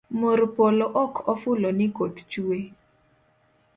Mor polo ok ofulo ni koth chue